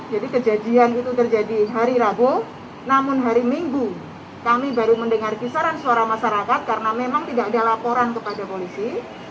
jadi kejadian itu terjadi hari rabu namun hari minggu kami baru mendengar kisaran suara masyarakat karena memang tidak ada laporan kepada polisi